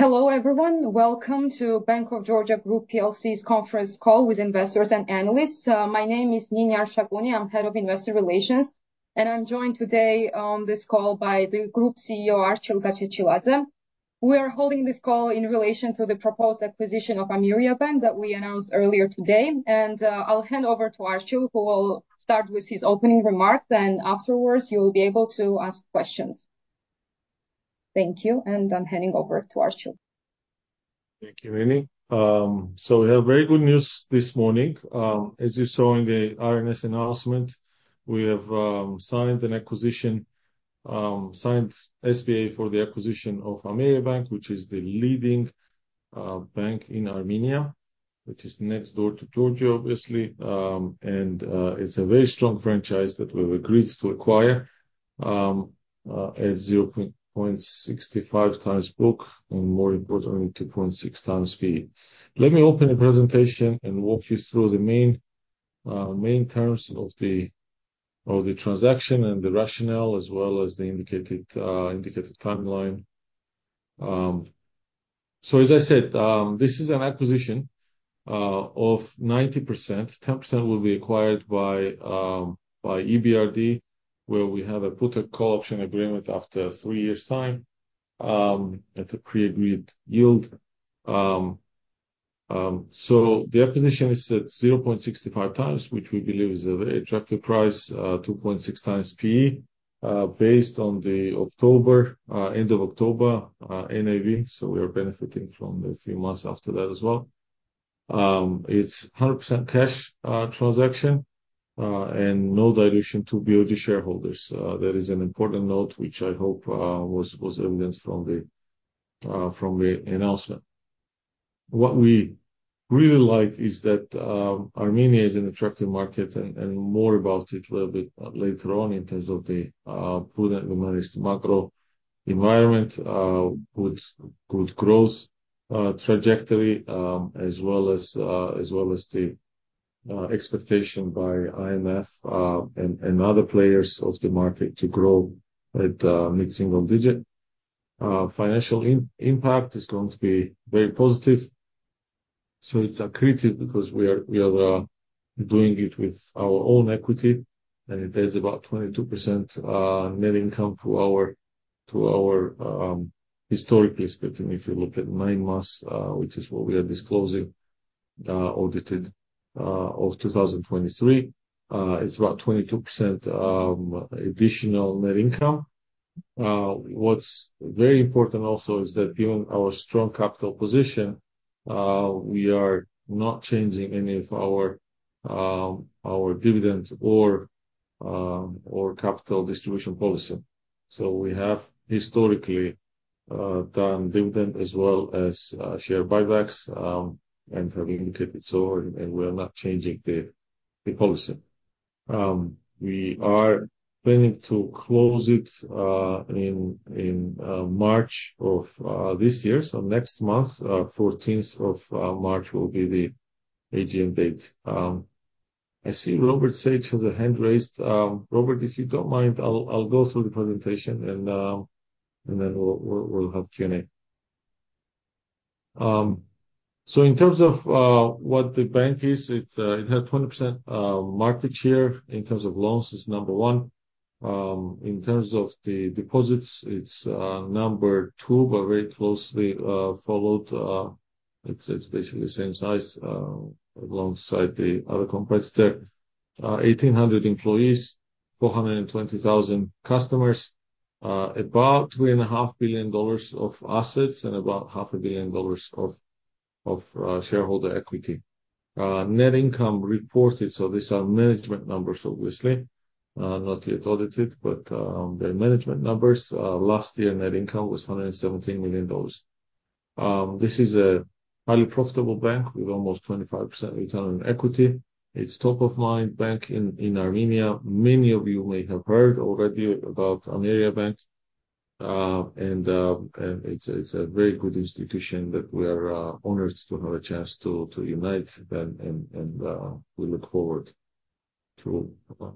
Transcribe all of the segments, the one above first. Hello everyone, welcome to Bank of Georgia Group PLC's conference call with investors and analysts. My name is Nini Arshakuni, I'm head of investor relations, and I'm joined today on this call by the Group CEO Archil Gachechiladze. We are holding this call in relation to the proposed acquisition of Ameriabank that we announced earlier today, and I'll hand over to Archil who will start with his opening remarks and afterwards you will be able to ask questions. Thank you, and I'm handing over to Archil. Thank you, Nini. We have very good news this morning. As you saw in the RNS announcement, we have signed an acquisition, signed SPA for the acquisition of Ameriabank, which is the leading bank in Armenia, which is next door to Georgia, obviously, and it's a very strong franchise that we've agreed to acquire at 0.65x book and more importantly 2.6x fee. Let me open the presentation and walk you through the main terms of the transaction and the rationale as well as the indicated timeline. As I said, this is an acquisition of 90%. 10% will be acquired by EBRD where we have a put and call option agreement after three years' time at a pre-agreed yield. So the acquisition is at 0.65x, which we believe is a very attractive price, 2.6x P/E, based on the end of October NAV, so we are benefiting from the few months after that as well. It's 100% cash transaction and no dilution to BOG shareholders. That is an important note which I hope was evident from the announcement. What we really like is that Armenia is an attractive market and more about it a little bit later on in terms of the prudently managed macro environment, good growth trajectory, as well as the expectation by IMF and other players of the market to grow at mid-single digit. Financial impact is going to be very positive. So it's accretive because we are doing it with our own equity and it adds about 22% net income to our historically, especially if you look at nine months, which is what we are disclosing, audited of 2023. It's about 22% additional net income. What's very important also is that given our strong capital position, we are not changing any of our dividend or capital distribution policy. So we have historically done dividend as well as share buybacks and have indicated so and we are not changing the policy. We are planning to close it in March of this year, so next month, 14th of March will be the AGM date. I see Robert Sage has a hand raised. Robert, if you don't mind, I'll go through the presentation and then we'll have Q&A. So in terms of what the bank is, it has 20% market share in terms of loans, it's number one. In terms of the deposits, it's number two, but very closely followed. It's basically the same size alongside the other competitor. 1,800 employees, 420,000 customers, about $3.5 billion of assets and about $500 million of shareholder equity. Net income reported, so these are management numbers, obviously, not yet audited, but they're management numbers. Last year net income was $117 million. This is a highly profitable bank with almost 25% return on equity. It's top-of-mind bank in Armenia. Many of you may have heard already about Ameriabank and it's a very good institution that we are honored to have a chance to unite and we look forward to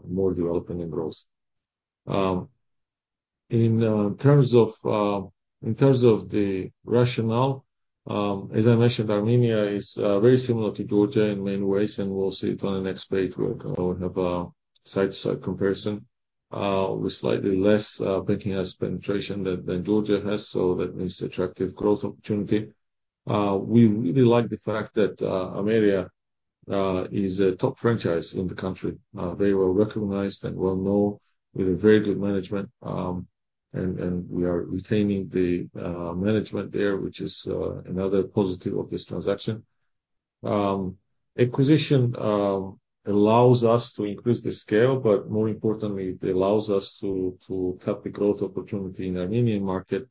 more development and growth. In terms of the rationale, as I mentioned, Armenia is very similar to Georgia in many ways and we'll see it on the next page where we'll have a side-by-side comparison with slightly less banking asset penetration than Georgia has, so that means attractive growth opportunity. We really like the fact that Ameriabank is a top franchise in the country, very well recognized and well known with a very good management and we are retaining the management there, which is another positive of this transaction. Acquisition allows us to increase the scale, but more importantly, it allows us to tap the growth opportunity in the Armenian market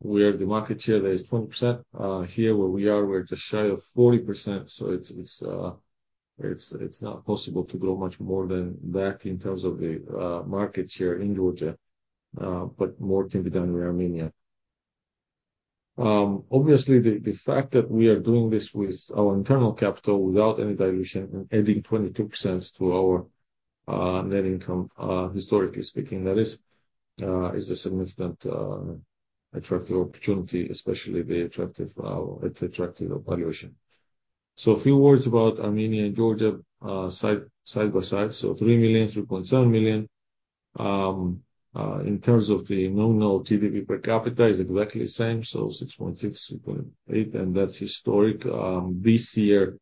where the market share there is 20%. Here where we are, we're just shy of 40%, so it's not possible to grow much more than that in terms of the market share in Georgia, but more can be done with Armenia. Obviously, the fact that we are doing this with our internal capital without any dilution and adding 22% to our net income, historically speaking, that is a significant attractive opportunity, especially the attractive valuation. So a few words about Armenia and Georgia side by side. So 3 million, 3.7 million. In terms of the nominal GDP per capita, it's exactly the same, so $6,600, $6,800, and that's historic. This year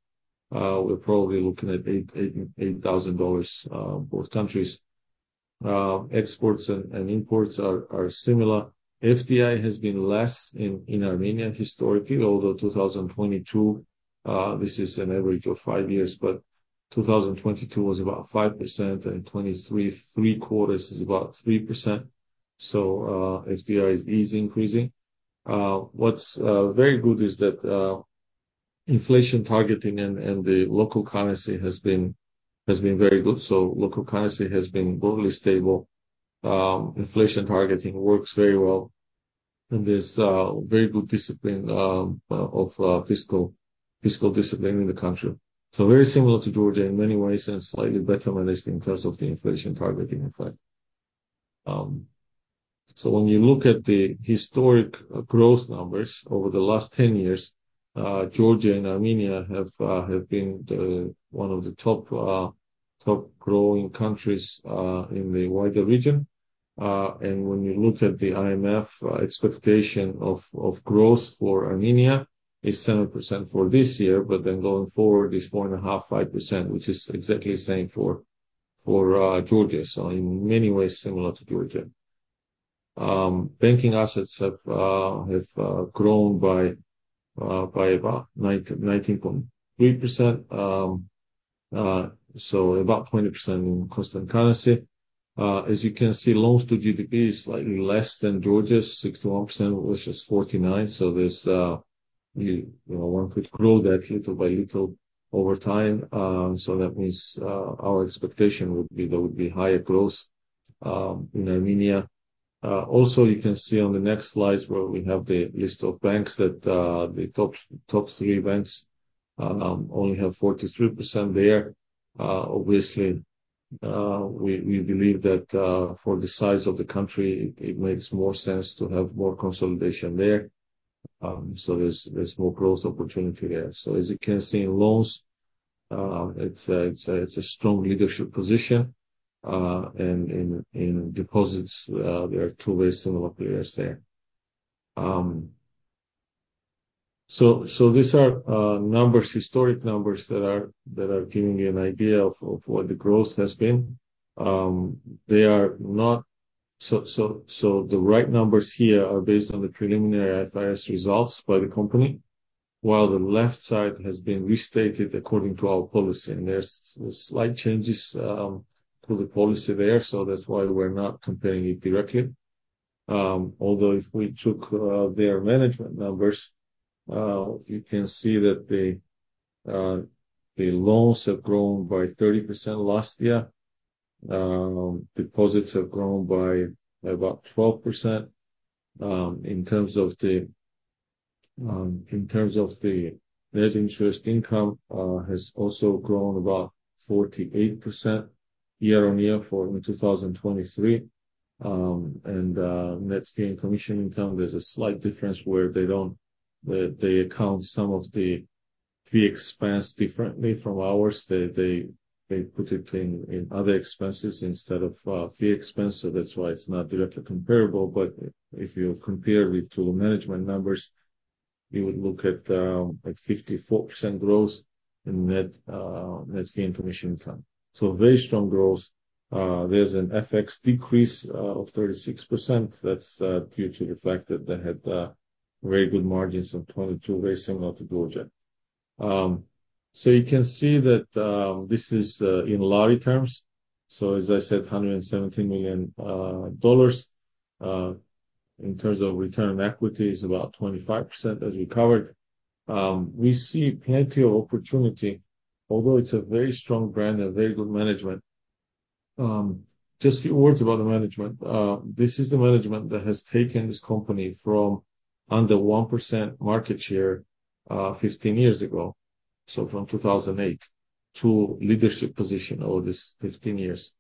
we're probably looking at $8,000, both countries. Exports and imports are similar. FDI has been less in Armenia historically, although 2022, this is an average of five years, but 2022 was about 5% and 2023 three-quarters is about 3%, so FDI is easily increasing. What's very good is that inflation targeting and the local currency has been very good. So local currency has been broadly stable. Inflation targeting works very well and there's very good fiscal discipline in the country. So very similar to Georgia in many ways and slightly better managed in terms of the inflation targeting, in fact. So when you look at the historic growth numbers over the last 10 years, Georgia and Armenia have been one of the top growing countries in the wider region. And when you look at the IMF expectation of growth for Armenia, it's 7% for this year, but then going forward it's 4.5%-5%, which is exactly the same for Georgia. So in many ways similar to Georgia. Banking assets have grown by about 19.3%, so about 20% in constant currency. As you can see, loans to GDP is slightly less than Georgia's, 61%, which is 49%. So one could grow that little by little over time. So that means our expectation would be there would be higher growth in Armenia. Also, you can see on the next slides where we have the list of banks, the top three banks only have 43% there. Obviously, we believe that for the size of the country, it makes more sense to have more consolidation there. So there's more growth opportunity there. So as you can see in loans, it's a strong leadership position. And in deposits, there are two very similar players there. So these are historic numbers that are giving you an idea of what the growth has been. They are not, so the right numbers here are based on the preliminary IFRS results by the company, while the left side has been restated according to our policy. And there's slight changes to the policy there, so that's why we're not comparing it directly. Although if we took their management numbers, you can see that the loans have grown by 30% last year. Deposits have grown by about 12%. In terms of the net interest income has also grown about 48% year-on-year in 2023. And net fee and commission income, there's a slight difference where they account some of the fee expense differently from ours. They put it in other expenses instead of fee expense, so that's why it's not directly comparable. But if you compare with two management numbers, you would look at 54% growth in net fee and commission income. So very strong growth. There's an FX decrease of 36%. That's due to the fact that they had very good margins of 22%, very similar to Georgia. So you can see that this is in local terms. As I said, $117 million in terms of return on equity is about 25% as we covered. We see plenty of opportunity, although it's a very strong brand and very good management. Just a few words about the management. This is the management that has taken this company from under 1% market share 15 years ago, so from 2008, to leadership position over these 15 years.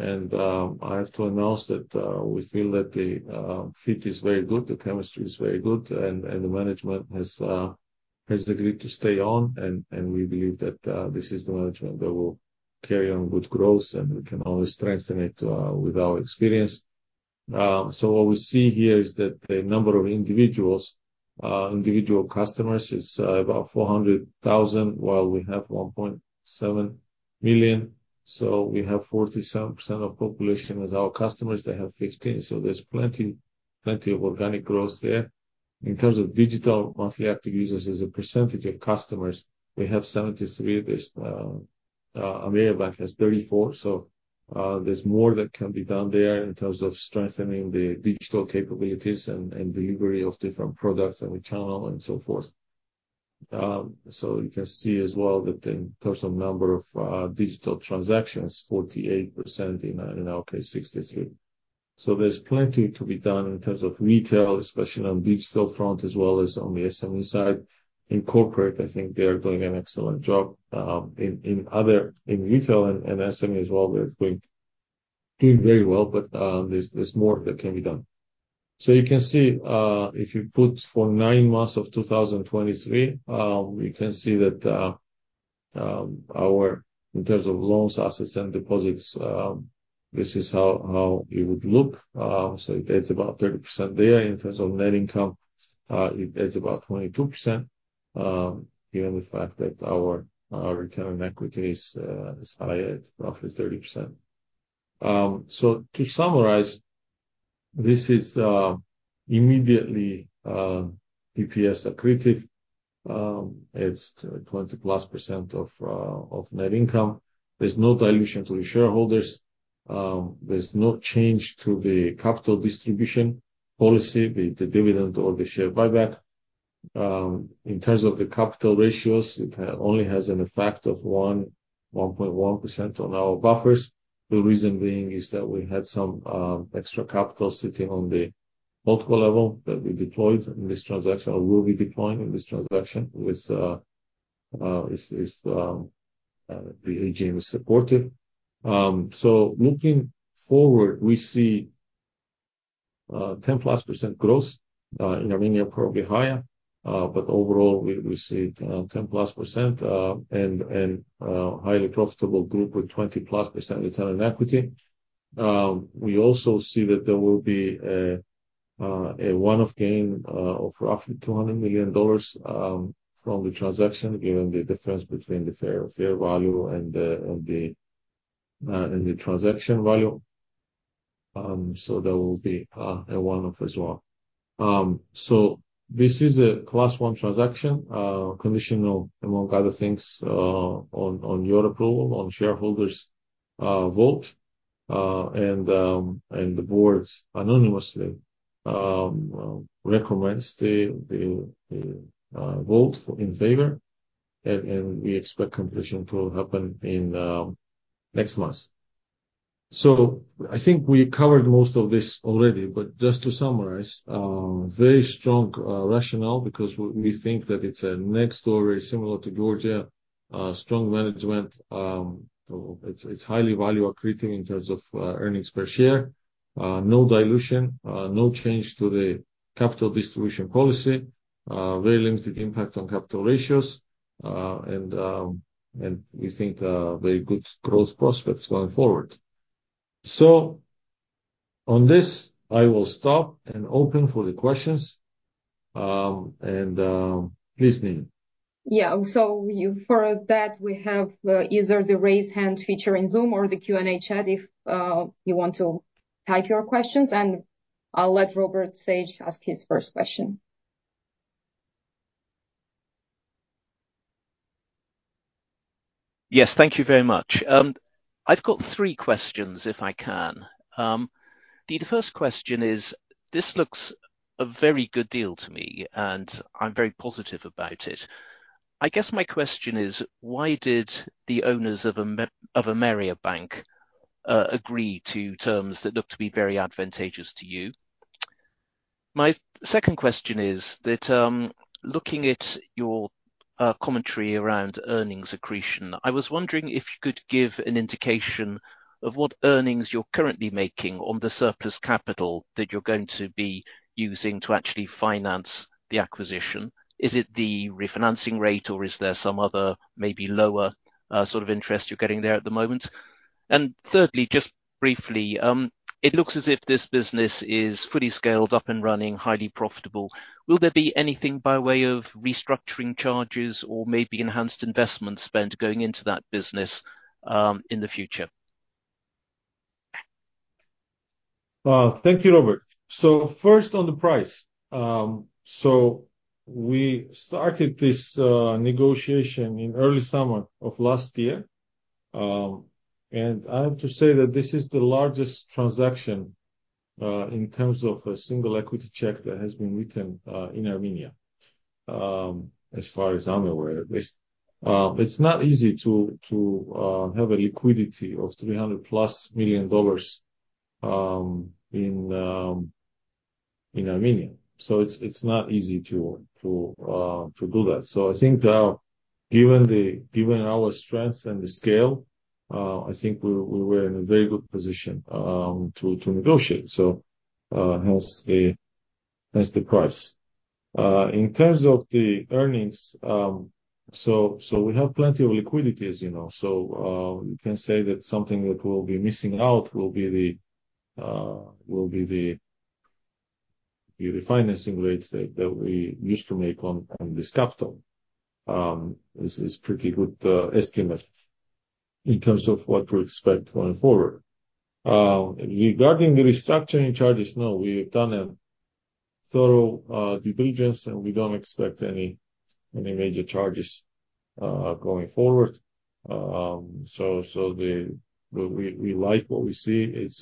I have to announce that we feel that the fit is very good, the chemistry is very good, and the management has agreed to stay on. We believe that this is the management that will carry on good growth and we can always strengthen it with our experience. What we see here is that the number of individual customers is about 400,000, while we have 1.7 million. We have 47% of the population as our customers. They have 15%. So there's plenty of organic growth there. In terms of digital monthly active users, as a percentage of customers, we have 73%. Ameriabank has 34%. So there's more that can be done there in terms of strengthening the digital capabilities and delivery of different products and the channel and so forth. So you can see as well that in terms of number of digital transactions, 48%, in our case, 63%. So there's plenty to be done in terms of retail, especially on the digital front as well as on the SME side. In corporate, I think they are doing an excellent job. In retail and SME as well, they're doing very well, but there's more that can be done. So you can see if you put for nine months of 2023, you can see that in terms of loans, assets, and deposits, this is how it would look. So it adds about 30% there. In terms of net income, it adds about 22%, given the fact that our return on equity is higher, it's roughly 30%. So to summarize, this is immediately EPS accretive. It's 20+% of net income. There's no dilution to the shareholders. There's no change to the capital distribution policy, the dividend or the share buyback. In terms of the capital ratios, it only has an effect of 1.1% on our buffers. The reason being is that we had some extra capital sitting on the multiple level that we deployed in this transaction or will be deploying in this transaction if the AGM is supportive. So looking forward, we see 10+% growth. In Armenia, probably higher, but overall we see 10+% and a highly profitable group with 20+% return on equity. We also see that there will be a one-off gain of roughly $200 million from the transaction, given the difference between the fair value and the transaction value. There will be a one-off as well. This is a Class 1 Transaction, conditional, among other things, on your approval, on shareholders' vote. The board unanimously recommends the vote in favor. We expect completion to happen in next month. I think we covered most of this already, but just to summarize, very strong rationale because we think that it's a next door very similar to Georgia, strong management, it's highly value accretive in terms of earnings per share, no dilution, no change to the capital distribution policy, very limited impact on capital ratios, and we think very good growth prospects going forward. On this, I will stop and open for the questions. Please, Nini. Yeah. For that, we have either the raise hand feature in Zoom or the Q&A chat if you want to type your questions. I'll let Robert Sage ask his first question. Yes. Thank you very much. I've got three questions if I can. The first question is, this looks a very good deal to me and I'm very positive about it. I guess my question is, why did the owners of Ameriabank agree to terms that look to be very advantageous to you? My second question is that looking at your commentary around earnings accretion, I was wondering if you could give an indication of what earnings you're currently making on the surplus capital that you're going to be using to actually finance the acquisition. Is it the refinancing rate or is there some other maybe lower sort of interest you're getting there at the moment? And thirdly, just briefly, it looks as if this business is fully scaled up and running, highly profitable. Will there be anything by way of restructuring charges or maybe enhanced investment spend going into that business in the future? Well, thank you, Robert. So first on the price. So we started this negotiation in early summer of last year. And I have to say that this is the largest transaction in terms of a single equity check that has been written in Armenia, as far as I'm aware. It's not easy to have a liquidity of $300+ million in Armenia. So it's not easy to do that. So I think given our strengths and the scale, I think we were in a very good position to negotiate, so hence the price. In terms of the earnings, so we have plenty of liquidity, as you know. So you can say that something that we'll be missing out will be the refinancing rate that we used to make on this capital. This is a pretty good estimate in terms of what we expect going forward. Regarding the restructuring charges, no, we have done a thorough due diligence and we don't expect any major charges going forward. So we like what we see. It's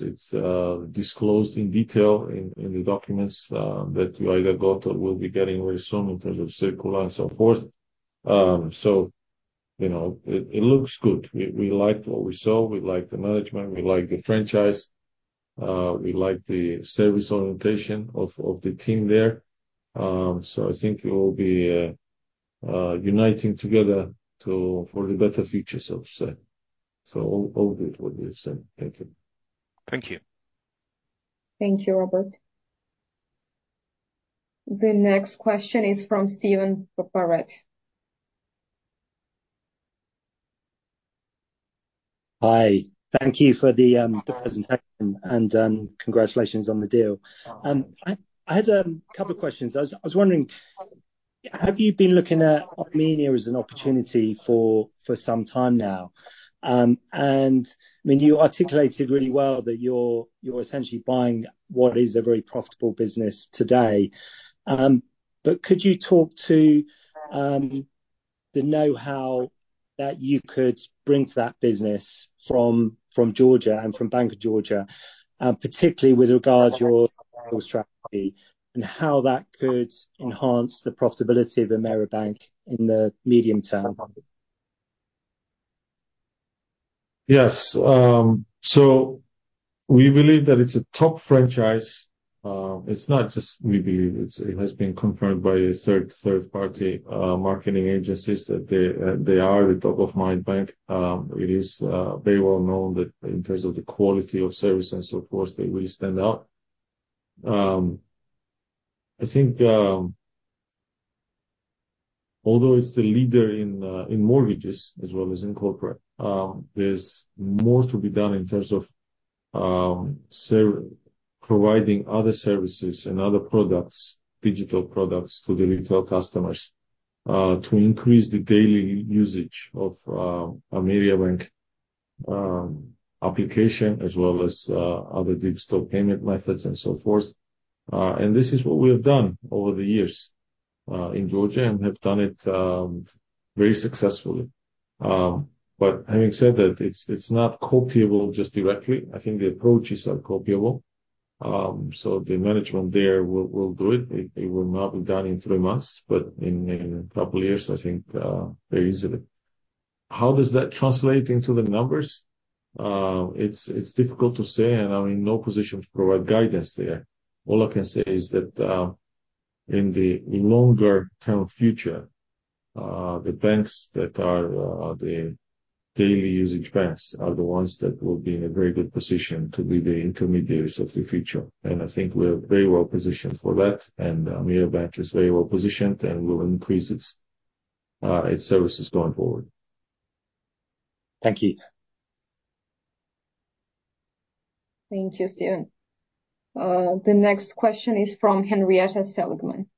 disclosed in detail in the documents that you either got or will be getting very soon in terms of circular and so forth. So it looks good. We liked what we saw. We liked the management. We liked the franchise. We liked the service orientation of the team there. So I think it will be uniting together for the better future, so to say. So all good what you've said. Thank you. Thank you. Thank you, Robert. The next question is from Steven [Paparrette]. Hi. Thank you for the presentation and congratulations on the deal. I had a couple of questions. I was wondering, have you been looking at Armenia as an opportunity for some time now? And I mean, you articulated really well that you're essentially buying what is a very profitable business today. But could you talk to the know-how that you could bring to that business from Georgia and from Bank of Georgia, particularly with regard to your strategy and how that could enhance the profitability of Ameriabank in the medium term? Yes. So we believe that it's a top franchise. It's not just we believe. It has been confirmed by third-party marketing agencies that they are the top-of-mind bank. It is very well known that in terms of the quality of service and so forth, they really stand out. I think although it's the leader in mortgages as well as in corporate, there's more to be done in terms of providing other services and other digital products to the retail customers to increase the daily usage of Ameriabank application as well as other digital payment methods and so forth. And this is what we have done over the years in Georgia and have done it very successfully. But having said that, it's not copiable just directly. I think the approaches are copiable. So the management there will do it. It will not be done in three months, but in a couple of years, I think, very easily. How does that translate into the numbers? It's difficult to say. I'm in no position to provide guidance there. All I can say is that in the longer-term future, the banks that are the daily usage banks are the ones that will be in a very good position to be the intermediaries of the future. I think we're very well positioned for that. Ameriabank is very well positioned and will increase its services going forward. Thank you. Thank you, Steven. The next question is from Henrietta Seligman.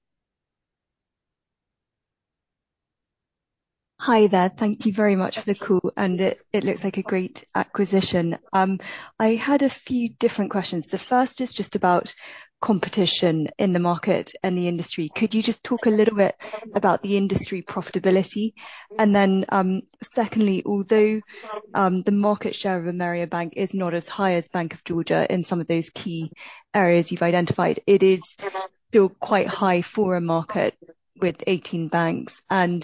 Hi there. Thank you very much for the call. It looks like a great acquisition. I had a few different questions. The first is just about competition in the market and the industry. Could you just talk a little bit about the industry profitability? Then secondly, although the market share of Ameriabank is not as high as Bank of Georgia in some of those key areas you've identified, it is still quite high for a market with 18 banks. I'm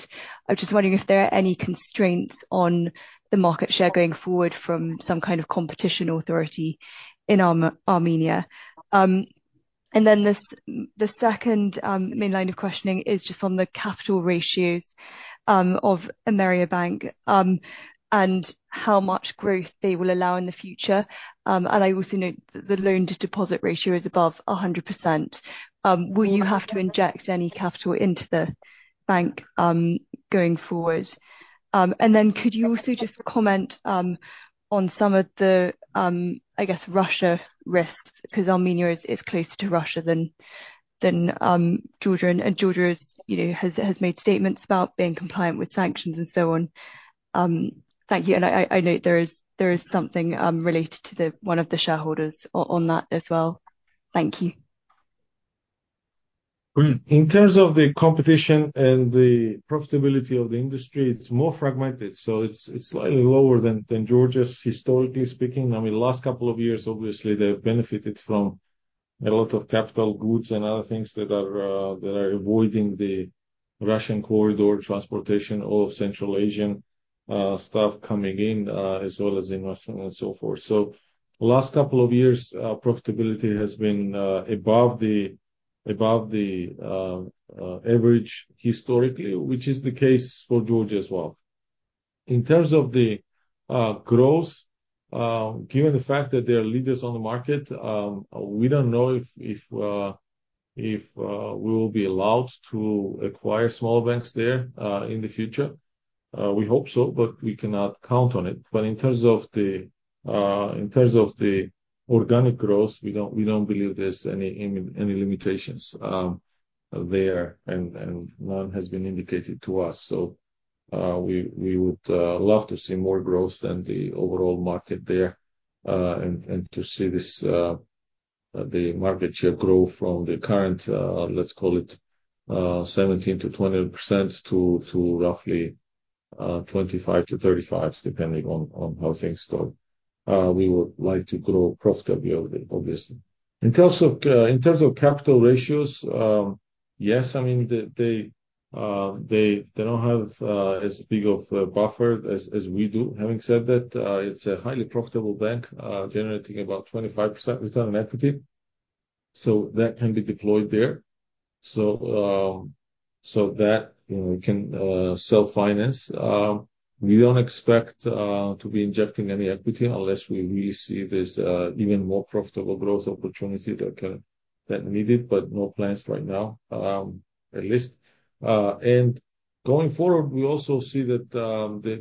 just wondering if there are any constraints on the market share going forward from some kind of competition authority in Armenia. Then the second main line of questioning is just on the capital ratios of Ameriabank and how much growth they will allow in the future. I also note that the loan-to-deposit ratio is above 100%. Will you have to inject any capital into the bank going forward? And then could you also just comment on some of the, I guess, Russia risks because Armenia is closer to Russia than Georgia and Georgia has made statements about being compliant with sanctions and so on? Thank you. And I note there is something related to one of the shareholders on that as well. Thank you. In terms of the competition and the profitability of the industry, it's more fragmented. So it's slightly lower than Georgia, historically speaking. I mean, last couple of years, obviously, they've benefited from a lot of capital goods and other things that are avoiding the Russian corridor, transportation, all of Central Asian stuff coming in as well as investment and so forth. So last couple of years, profitability has been above the average historically, which is the case for Georgia as well. In terms of the growth, given the fact that they are leaders on the market, we don't know if we will be allowed to acquire smaller banks there in the future. We hope so, but we cannot count on it. But in terms of the organic growth, we don't believe there's any limitations there and none has been indicated to us. So we would love to see more growth than the overall market there and to see the market share grow from the current, let's call it, 17%-20% to roughly 25%-35%, depending on how things go. We would like to grow profitably, obviously. In terms of capital ratios, yes. I mean, they don't have as big of a buffer as we do. Having said that, it's a highly profitable bank generating about 25% return on equity. So that can be deployed there. So that we can self-finance. We don't expect to be injecting any equity unless we really see this even more profitable growth opportunity that needed, but no plans right now, at least. And going forward, we also see that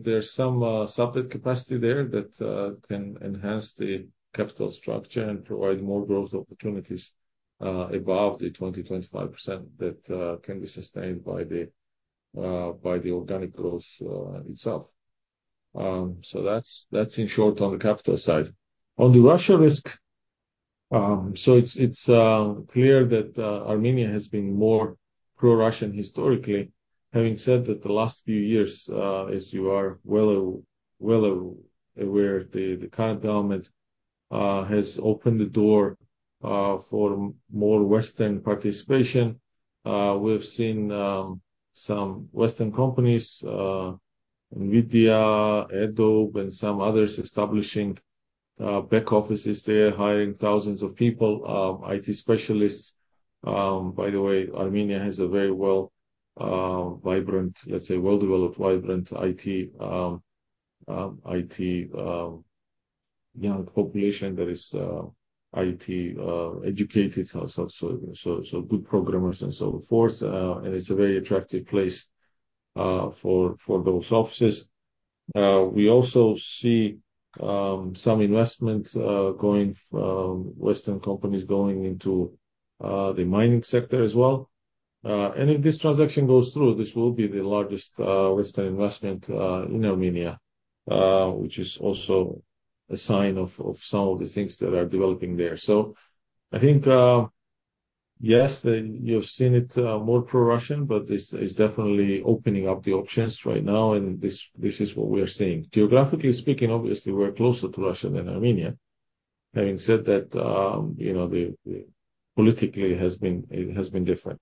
there's some subnet capacity there that can enhance the capital structure and provide more growth opportunities above the 20%-25% that can be sustained by the organic growth itself. So that's in short on the capital side. On the Russia risk, so it's clear that Armenia has been more pro-Russian historically. Having said that, the last few years, as you are well aware of, the current government has opened the door for more Western participation. We've seen some Western companies, NVIDIA, Adobe, and some others establishing back offices there, hiring thousands of people, IT specialists. By the way, Armenia has a very well-vibrant, let's say, well-developed, vibrant IT young population that is IT educated, so good programmers and so forth. And it's a very attractive place for those offices. We also see some investment going, Western companies going into the mining sector as well. If this transaction goes through, this will be the largest Western investment in Armenia, which is also a sign of some of the things that are developing there. I think, yes, you have seen it more pro-Russian, but it's definitely opening up the options right now. This is what we are seeing. Geographically speaking, obviously, we're closer to Russia than Armenia. Having said that, politically, it has been different.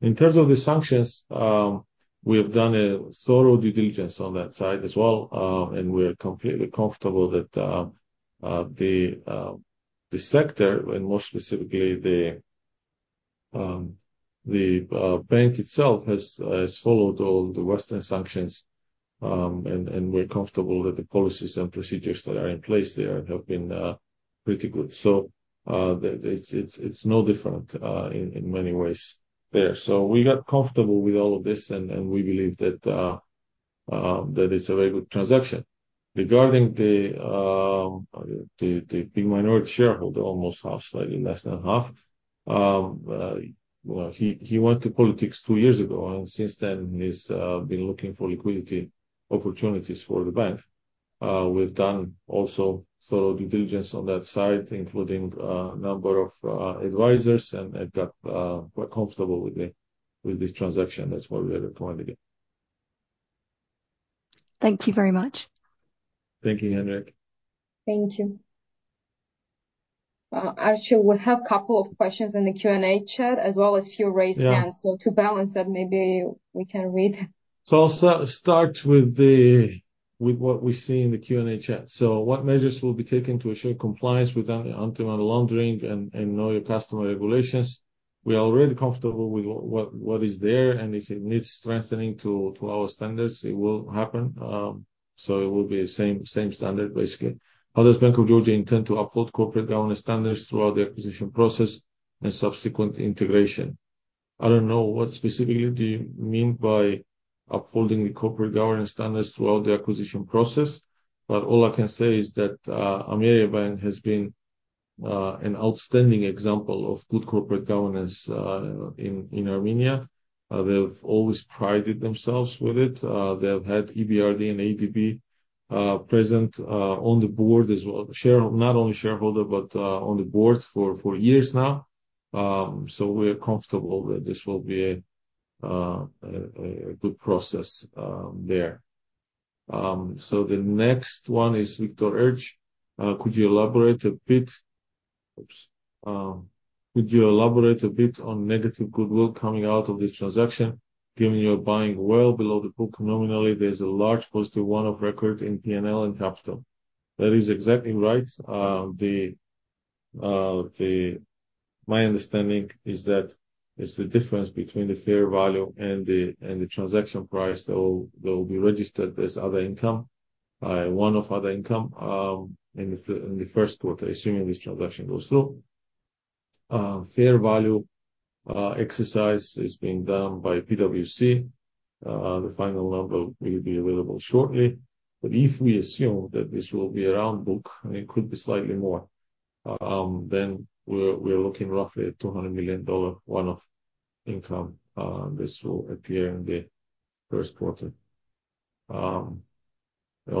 In terms of the sanctions, we have done a thorough due diligence on that side as well. We are completely comfortable that the sector and more specifically, the bank itself has followed all the Western sanctions. We're comfortable that the policies and procedures that are in place there have been pretty good. It's no different in many ways there. We got comfortable with all of this. We believe that it's a very good transaction. Regarding the big minority shareholder, almost half, slightly less than half, he went to politics two years ago. Since then, he's been looking for liquidity opportunities for the bank. We've done also thorough due diligence on that side, including a number of advisors. I got quite comfortable with this transaction. That's why we are recommending it. Thank you very much. Thank you, Henrietta. Thank you. Archil, we have a couple of questions in the Q&A chat as well as a few raised hands. So to balance that, maybe we can read. So I'll start with what we see in the Q&A chat. So what measures will be taken to ensure compliance with anti-money laundering and know your customer regulations? We are already comfortable with what is there. And if it needs strengthening to our standards, it will happen. So it will be the same standard, basically. How does Bank of Georgia intend to uphold corporate governance standards throughout the acquisition process and subsequent integration? I don't know. What specifically do you mean by upholding the corporate governance standards throughout the acquisition process? But all I can say is that Ameriabank has been an outstanding example of good corporate governance in Armenia. They've always prided themselves with it. They've had EBRD and ADB present on the board as well, not only shareholder, but on the board for years now. So we are comfortable that this will be a good process there. So the next one is Victor Erch. Could you elaborate a bit? Oops. Could you elaborate a bit on negative goodwill coming out of this transaction, given you are buying well below the book nominally? There's a large positive one-off record in P&L and capital. That is exactly right. My understanding is that it's the difference between the fair value and the transaction price that will be registered as other income, one-off other income in the first quarter, assuming this transaction goes through. Fair value exercise is being done by PwC. The final number will be available shortly. But if we assume that this will be around book, and it could be slightly more, then we are looking roughly at $200 million one-off income. This will appear in the first quarter. It'll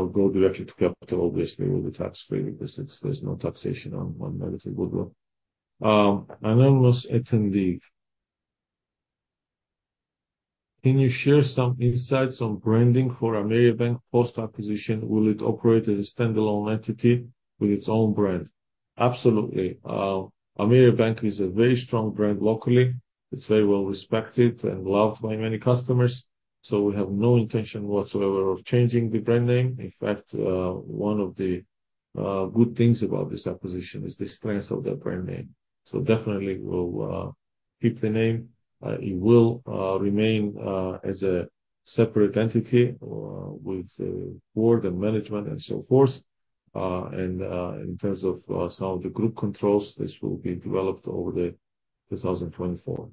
go directly to capital, obviously, with the tax-free because there's no taxation on negative goodwill. Anonymous attendee. Can you share some insights on branding for Ameriabank post-acquisition? Will it operate as a standalone entity with its own brand? Absolutely. Ameriabank is a very strong brand locally. It's very well respected and loved by many customers. So we have no intention whatsoever of changing the brand name. In fact, one of the good things about this acquisition is the strength of their brand name. So definitely, we'll keep the name. It will remain as a separate entity with the board and management and so forth. And in terms of some of the group controls, this will be developed over the 2024,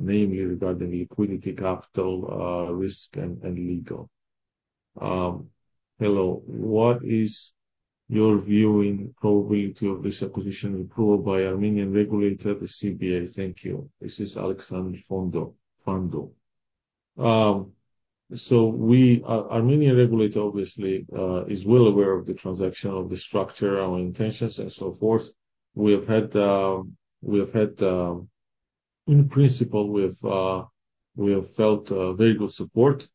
namely regarding liquidity, capital, risk, and legal. Hello. What is your view in the probability of this acquisition approved by Armenian regulator, the CBA? Thank you. This is Alexander Fando. So Armenian regulator, obviously, is well aware of the transaction, of the structure, our intentions, and so forth. We have had, in principle, we have felt very good support.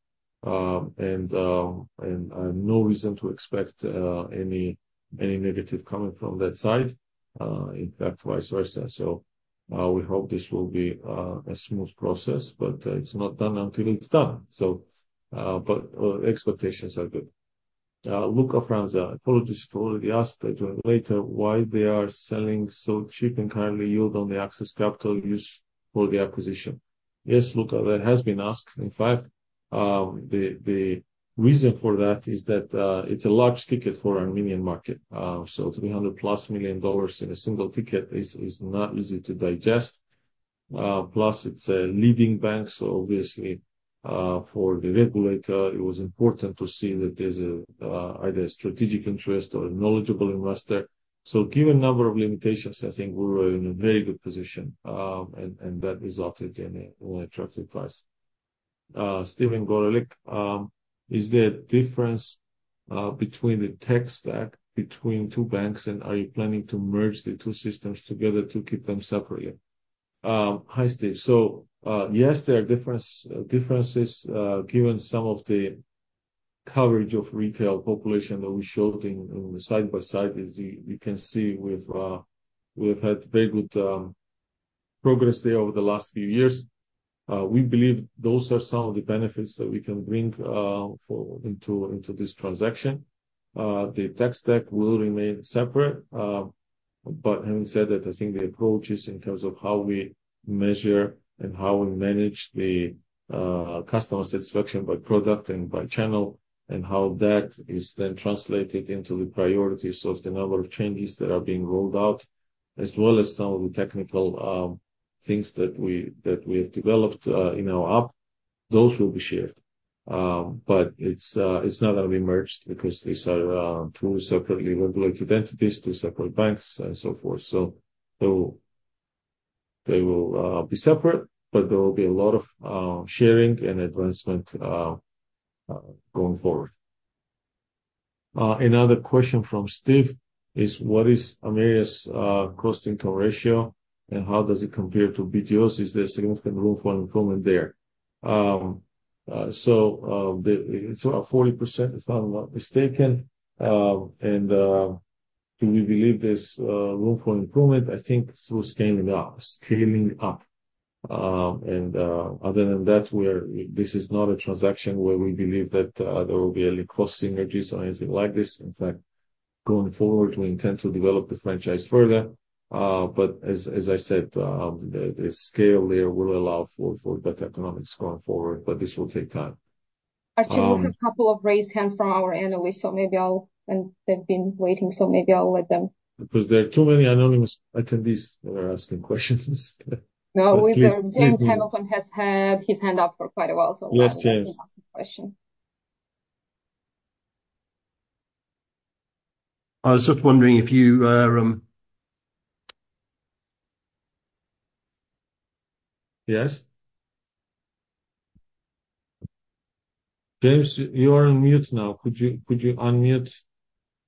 And no reason to expect any negative coming from that side. In fact, vice versa. So we hope this will be a smooth process. But it's not done until it's done. But expectations are good. Luca Franza, apologies for already asked. I joined later. Why are they selling so cheap and currently yield on the access capital used for the acquisition? Yes, Luca, that has been asked. In fact, the reason for that is that it's a large ticket for the Armenian market. So $300+ million in a single ticket is not easy to digest. Plus, it's a leading bank. So obviously, for the regulator, it was important to see that there's either a strategic interest or a knowledgeable investor. Given the number of limitations, I think we're in a very good position. That resulted in an attractive price. Steven Gorelik, is there a difference between the tech stack between two banks? Are you planning to merge the two systems together to keep them separately? Hi, Steve. So yes, there are differences. Given some of the coverage of retail population that we showed in the side-by-side, you can see we have had very good progress there over the last few years. We believe those are some of the benefits that we can bring into this transaction. The tech stack will remain separate. But having said that, I think the approach is in terms of how we measure and how we manage the customer satisfaction by product and by channel and how that is then translated into the priorities of the number of changes that are being rolled out, as well as some of the technical things that we have developed in our app, those will be shared. But it's not going to be merged because these are two separately regulated entities, two separate banks, and so forth. So they will be separate. But there will be a lot of sharing and advancement going forward. Another question from Steve is, what is Ameriabank's cost-income ratio? And how does it compare to BOG's? Is there significant room for improvement there? So it's about 40%, if I'm not mistaken. And do we believe there's room for improvement? I think through scaling up. Scaling up. Other than that, this is not a transaction where we believe that there will be any cost synergies or anything like this. In fact, going forward, we intend to develop the franchise further. But as I said, the scale there will allow for better economics going forward. But this will take time. Archil, we've got a couple of raised hands from our analysts. So maybe I'll let them and they've been waiting. Because there are too many anonymous attendees that are asking questions. No, we've heard. James Hamilton has had his hand up for quite a while. Yes James. So why don't he ask a question? I was just wondering if you are, yes? James, you are on mute now. Could you unmute?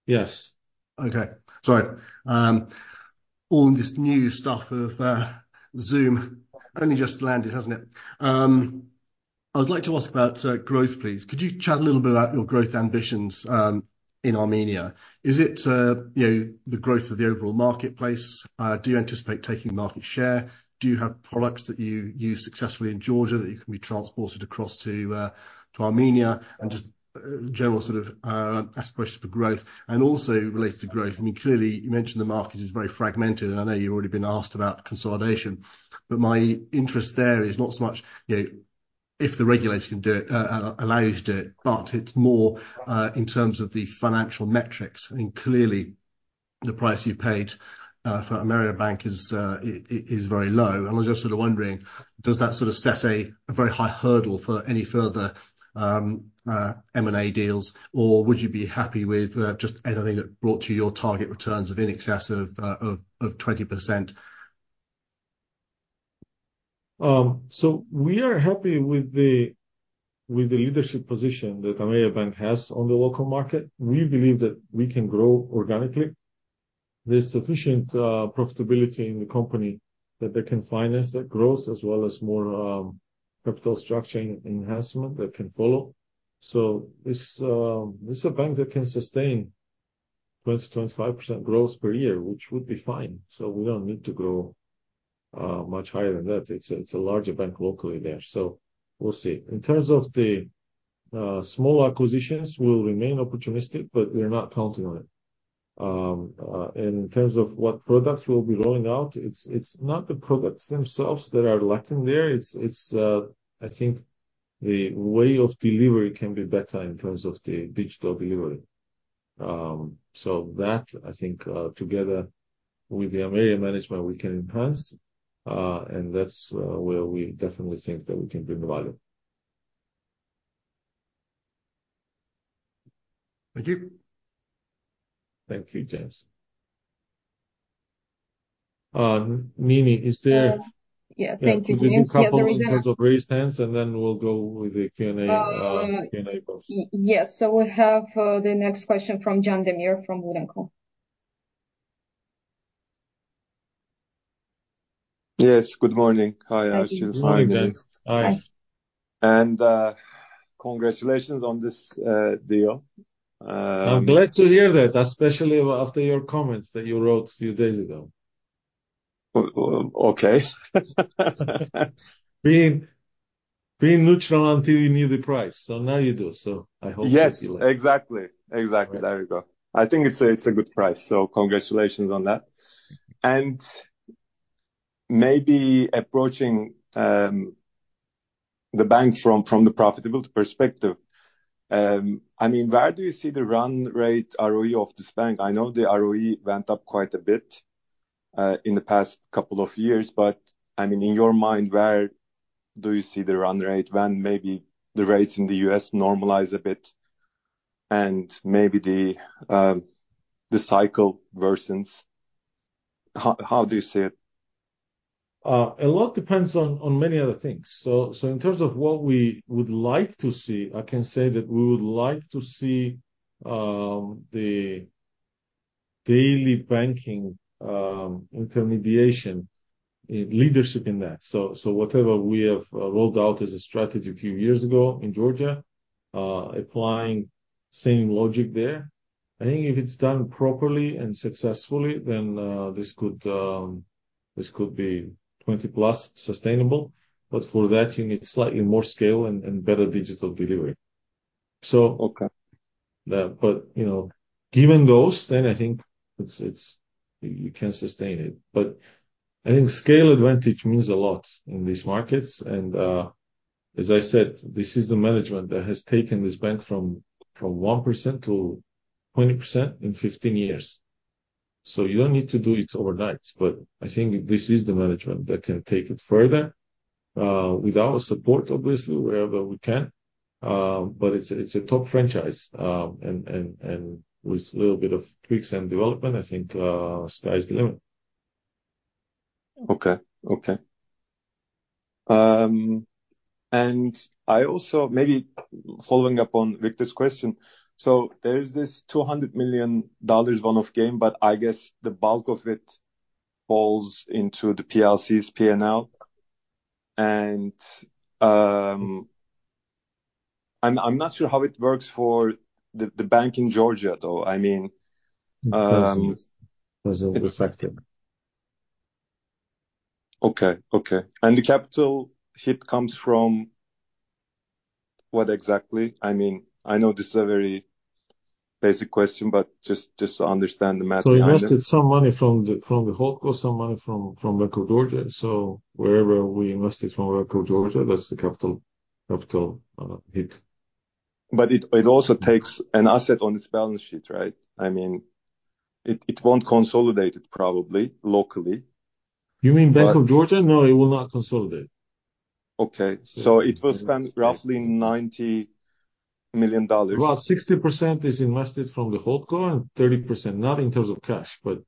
Yes. Okay. Sorry. All this new stuff of Zoom only just landed, hasn't it? I would like to ask about growth, please. Could you chat a little bit about your growth ambitions in Armenia? Is it the growth of the overall marketplace? Do you anticipate taking market share? Do you have products that you use successfully in Georgia that you can be transported across to Armenia? And just general sort of ask questions for growth and also related to growth. I mean, clearly, you mentioned the market is very fragmented. And I know you've already been asked about consolidation. But my interest there is not so much if the regulator can do it, allows you to do it. But it's more in terms of the financial metrics. I mean, clearly, the price you paid for Ameriabank is very low. I was just sort of wondering, does that sort of set a very high hurdle for any further M&A deals? Or would you be happy with just anything that brought you your target returns of in excess of 20%? So we are happy with the leadership position that Ameriabank has on the local market. We believe that we can grow organically. There's sufficient profitability in the company that they can finance that grows as well as more capital structure enhancement that can follow. So it's a bank that can sustain 20%-25% growth per year, which would be fine. So we don't need to grow much higher than that. It's a larger bank locally there. So we'll see. In terms of the small acquisitions, we'll remain opportunistic, but we're not counting on it. And in terms of what products we'll be rolling out, it's not the products themselves that are lacking there. I think the way of delivery can be better in terms of the digital delivery. So that, I think, together with the Ameriabank management, we can enhance. That's where we definitely think that we can bring value. Thank you. Thank you, James. Nini, is there? Yeah. Thank you, James. Yeah, there isn't. Could you just count on those raised hands? And then we'll go with the Q&A box. Yes. So we have the next question from Can Demir from Wood & Company. Yes. Good morning. Hi, Archil. Hi, Nini. Good morning, James. Hi. Congratulations on this deal. I'm glad to hear that, especially after your comments that you wrote a few days ago. Okay. Being neutral until you knew the price. So now you do. So I hope that you like. Yes. Exactly. Exactly. There you go. I think it's a good price. So congratulations on that. And maybe approaching the bank from the profitability perspective, I mean, where do you see the run rate ROE of this bank? I know the ROE went up quite a bit in the past couple of years. But I mean, in your mind, where do you see the run rate when maybe the rates in the U.S. normalize a bit and maybe the cycle worsens? How do you see it? A lot depends on many other things. So in terms of what we would like to see, I can say that we would like to see the daily banking intermediation, leadership in that. So whatever we have rolled out as a strategy a few years ago in Georgia, applying the same logic there. I think if it's done properly and successfully, then this could be 20-plus sustainable. But for that, you need slightly more scale and better digital delivery. But given those, then I think you can sustain it. But I think scale advantage means a lot in these markets. And as I said, this is the management that has taken this bank from 1% to 20% in 15 years. So you don't need to do it overnight. But I think this is the management that can take it further without our support, obviously, wherever we can. It's a top franchise. With a little bit of tweaks and development, I think sky's the limit. Okay. Okay. And maybe following up on Victor's question. So there's this $200 million one-off gain. But I guess the bulk of it falls into the PLC's P&L. And I'm not sure how it works for the bank in Georgia, though. I mean. Because it wasn't reflective. Okay. Okay. The capital hit comes from what exactly? I mean, I know this is a very basic question. But just to understand the math behind it. We invested some money from the whole course, some money from Bank of Georgia. Wherever we invested from Bank of Georgia, that's the capital hit. But it also takes an asset on its balance sheet, right? I mean, it won't consolidate it, probably, locally. You mean Bank of Georgia? No, it will not consolidate. Okay. So it will spend roughly $90 million. About 60% is invested from the HoldCo and 30% not in terms of cash. But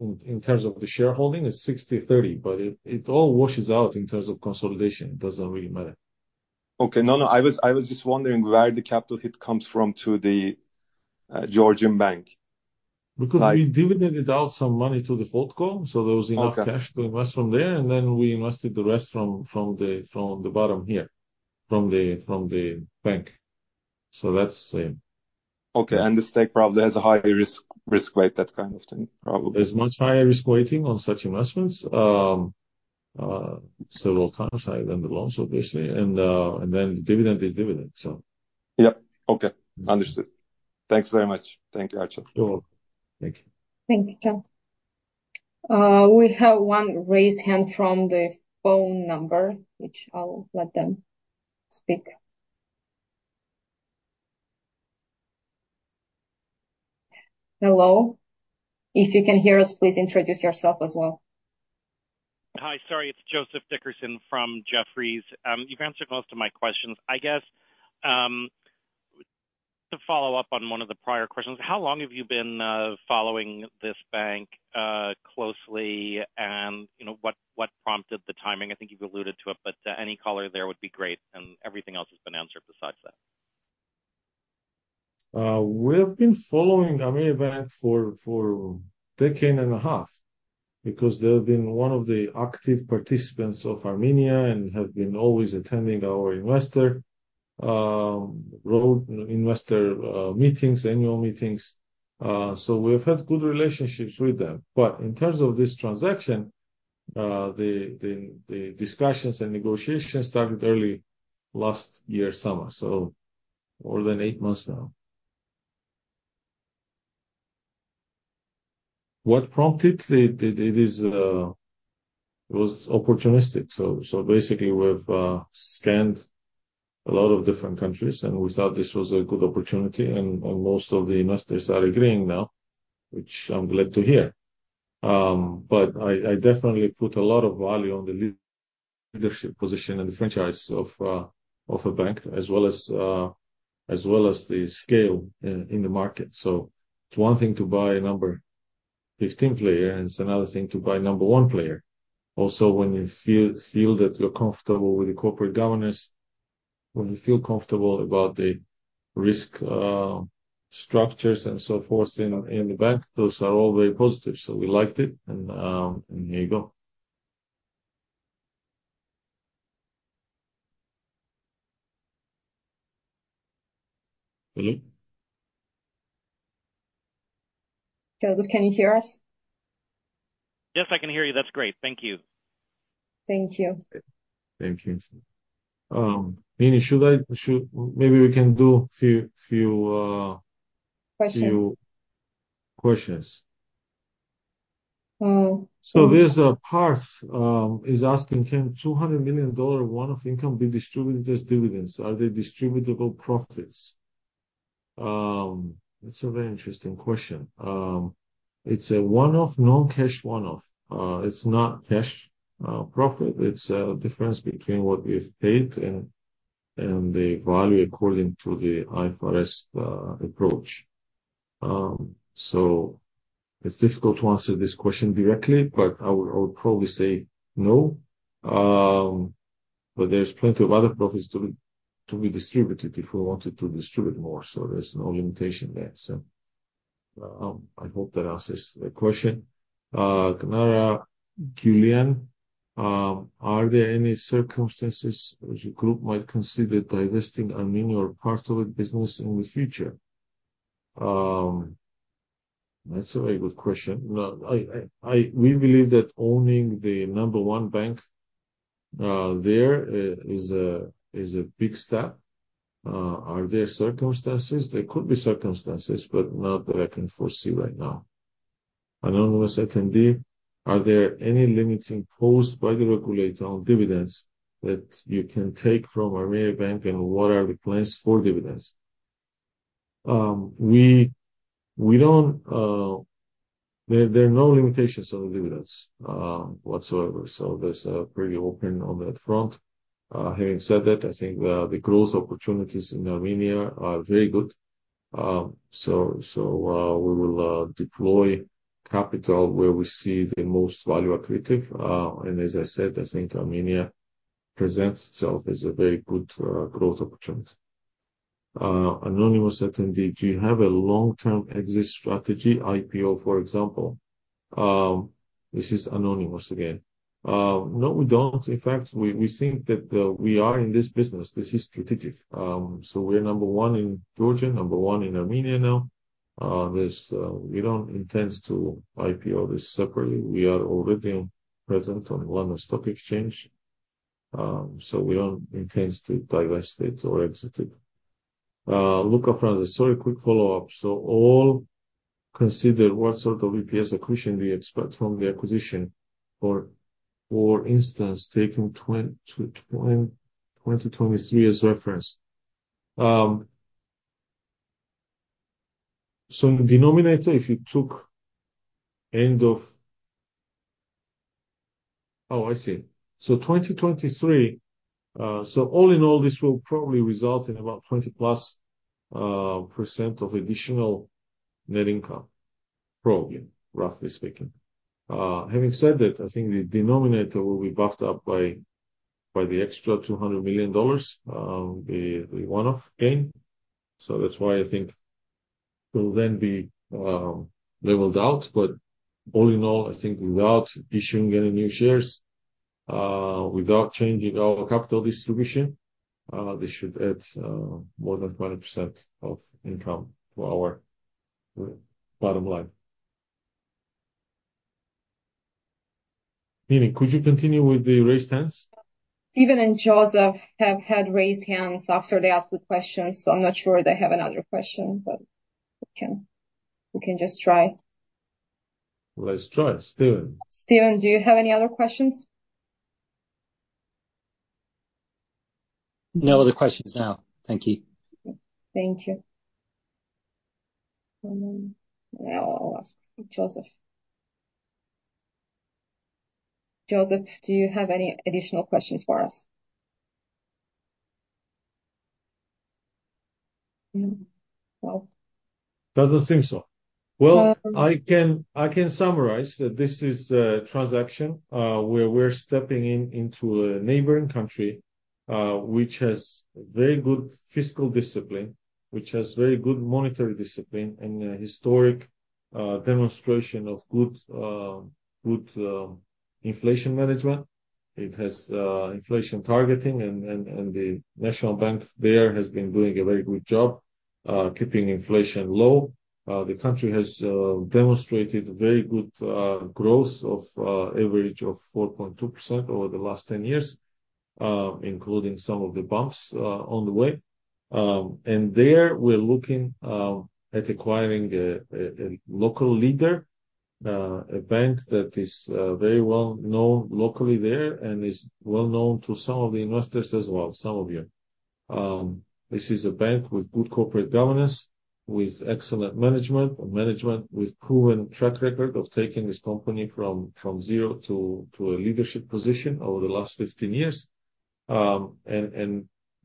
in terms of the shareholding, it's 60/30. But it all washes out in terms of consolidation. It doesn't really matter. Okay. No, no. I was just wondering where the capital hit comes from to the Georgian bank? Because we dividended out some money to the whole court. So there was enough cash to invest from there. And then we invested the rest from the bottom here, from the bank. So that's the same. Okay. And the stake probably has a higher risk weight, that kind of thing, probably. There's much higher risk weighting on such investments, several times higher than the loans, obviously. And then dividend is dividend, so. Yep. Okay. Understood. Thanks very much. Thank you, Archil. You're welcome. Thank you. Thank you, John. We have one raised hand from the phone number, which I'll let them speak. Hello? If you can hear us, please introduce yourself as well. Hi. Sorry. It's Joseph Dickerson from Jefferies. You've answered most of my questions. I guess to follow up on one of the prior questions, how long have you been following this bank closely? And what prompted the timing? I think you've alluded to it. But any color there would be great. And everything else has been answered besides that. We have been following Ameriabank for a decade and a half because they have been one of the active participants in Armenia and have been always attending our investor meetings, annual meetings. So we have had good relationships with them. But in terms of this transaction, the discussions and negotiations started early last year's summer, so more than 8 months now. What prompted it? It was opportunistic. So basically, we've scanned a lot of different countries. And we thought this was a good opportunity. And most of the investors are agreeing now, which I'm glad to hear. But I definitely put a lot of value on the leadership position and the franchise of a bank as well as the scale in the market. So it's one thing to buy number 15 player. And it's another thing to buy number 1 player. Also, when you feel that you're comfortable with the corporate governance, when you feel comfortable about the risk structures and so forth in the bank, those are all very positive. So we liked it. And here you go. Hello? Joseph, can you hear us? Yes, I can hear you. That's great. Thank you. Thank you. Thank you. Nini, maybe we can do a few questions. So a participant is asking, "Can $200 million one-off income be distributed as dividends? Are they distributable profits?" That's a very interesting question. It's a one-off, non-cash one-off. It's not cash profit. It's a difference between what we've paid and the value according to the IFRS approach. So it's difficult to answer this question directly. But I would probably say no. But there's plenty of other profits to be distributed if we wanted to distribute more. So there's no limitation there. So I hope that answers the question. Canara Gillian, "Are there any circumstances which your group might consider divesting Armenia or part of its business in the future?" That's a very good question. We believe that owning the number 1 bank there is a big step. Are there circumstances? There could be circumstances, but not that I can foresee right now. Anonymous attendee: "Are there any limitations posed by the regulator on dividends that you can take from Ameriabank? And what are the plans for dividends?" There are no limitations on the dividends whatsoever. So there's a pretty open on that front. Having said that, I think the growth opportunities in Armenia are very good. So we will deploy capital where we see the most value-accretive. And as I said, I think Armenia presents itself as a very good growth opportunity. Anonymous attendee: "Do you have a long-term exit strategy, IPO, for example?" This is anonymous again. No, we don't. In fact, we think that we are in this business. This is strategic. So we're number one in Georgia, number one in Armenia now. We don't intend to IPO this separately. We are already present on one of the stock exchanges. So we don't intend to divest it or exit it. Luca Franza, sorry, quick follow-up. So all consider what sort of EPS accretion do you expect from the acquisition, for instance, taking 2023 as reference? So in the denominator, if you took end of oh, I see. So 2023, so all in all, this will probably result in about 20+% of additional net income, probably, roughly speaking. Having said that, I think the denominator will be beefed up by the extra $200 million, the one-off gain. So that's why I think it will then be leveled out. But all in all, I think without issuing any new shares, without changing our capital distribution, this should add more than 20% of income to our bottom line. Nini, could you continue with the raised hands? Stephen and Joseph have had raised hands after they asked the questions. So I'm not sure they have another question. But we can just try. Let's try. Stephen. Stephen, do you have any other questions? No other questions now. Thank you. Thank you. I'll ask Joseph. Joseph, do you have any additional questions for us? No. No. I don't think so. Well, I can summarize that this is a transaction where we're stepping into a neighboring country which has very good fiscal discipline, which has very good monetary discipline, and a historic demonstration of good inflation management. It has inflation targeting. And the national bank there has been doing a very good job keeping inflation low. The country has demonstrated very good growth, average of 4.2% over the last 10 years, including some of the bumps on the way. And there, we're looking at acquiring a local leader, a bank that is very well known locally there and is well known to some of the investors as well, some of you. This is a bank with good corporate governance, with excellent management, management with proven track record of taking this company from zero to a leadership position over the last 15 years.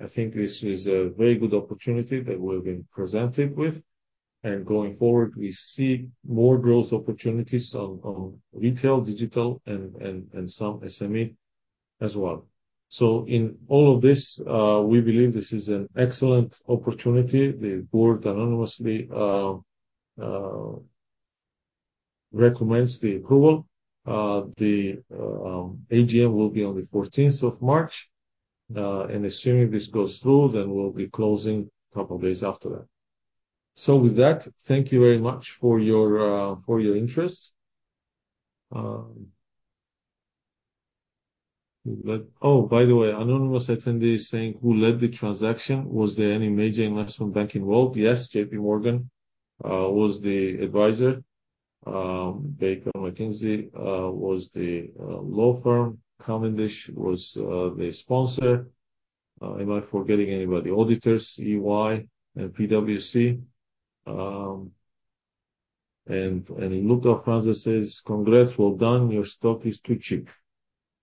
I think this is a very good opportunity that we've been presented with. Going forward, we see more growth opportunities on retail, digital, and some SME as well. In all of this, we believe this is an excellent opportunity. The board unanimously recommends the approval. The AGM will be on the 14th of March. Assuming this goes through, then we'll be closing a couple of days after that. With that, thank you very much for your interest. Oh, by the way, anonymous attendee is saying, "Who led the transaction? Was there any major investment bank involved?" Yes, J.P. Morgan was the advisor. Baker McKenzie was the law firm. Cavendish was the sponsor. Am I forgetting anybody? Auditors, EY and PwC. And Luca Franza says, "Congrats. Well done. Your stock is too cheap."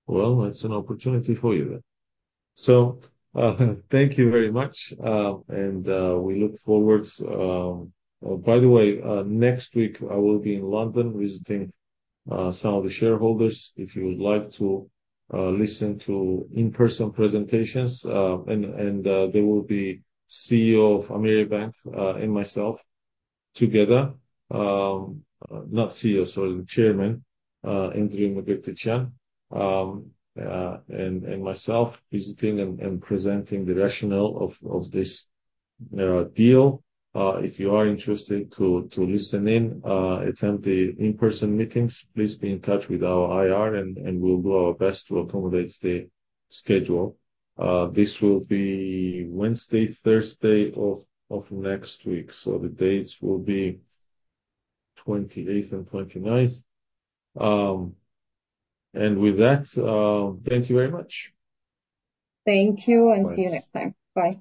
Well, it's an opportunity for you then. So thank you very much. We look forward, by the way, next week I will be in London visiting some of the shareholders if you would like to listen to in-person presentations. There will be CEO of Ameriabank and myself together, not CEO, sorry, the chairman, Andrew Mkrtchyan, and myself visiting and presenting the rationale of this deal. If you are interested to listen in, attend the in-person meetings, please be in touch with our IR. We'll do our best to accommodate the schedule. This will be Wednesday, Thursday of next week. So the dates will be 28th and 29th. With that, thank you very much. Thank you. See you next time. Bye.